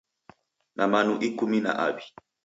Na manu ikumi na aw'i.